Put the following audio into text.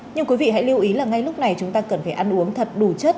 nhưng quý vị hãy lưu ý là ngay lúc này chúng ta cần phải ăn uống thật đủ chất